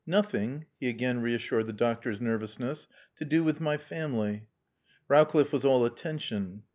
Nothing" (he again reassured the doctor's nervousness) "to do with my family." Rowcliffe was all attention.